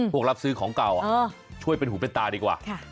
รับซื้อของเก่าช่วยเป็นหูเป็นตาดีกว่า